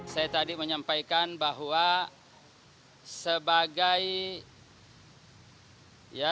saya tadi menyampaikan bahwa